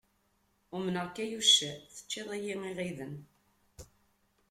Umneɣ-k ay uccen, teččiḍ-iyi iɣiden.